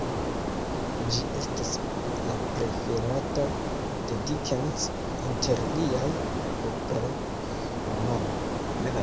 Ĝi estis la preferata de Dickens inter liaj propraj romanoj.